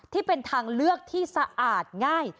ที่เป็นทางเลือกที่สะอาดง่าย